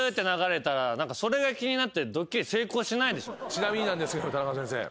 ちなみになんですけどタナカ先生。